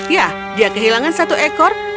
ya dia kehilangan satu ekor